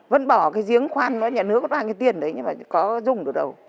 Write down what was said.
vẫn bỏ cái giếng khoan nó nhả nước ra cái tiền đấy mà có dùng được đâu